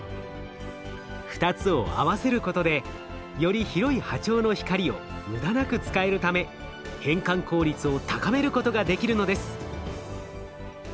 ２つを合わせることでより広い波長の光を無駄なく使えるため変換効率を高めることができるのです。